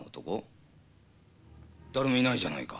誰もいないじゃないか。